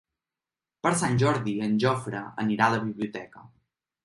Per Sant Jordi en Jofre anirà a la biblioteca.